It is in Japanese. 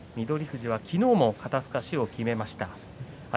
翠富士は昨日も肩すかしをきめました。